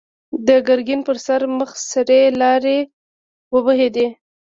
د ګرګين پر سره مخ سرې لاړې وبهېدې.